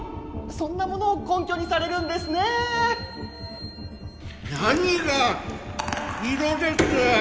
そんなものを根拠にされるん何が色です！